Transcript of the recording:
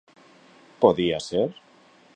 Podía ser.